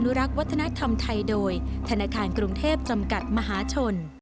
รักษ์วัฒนธรรมไทยโดยธนาคารกรุงเทพจำกัดมหาชน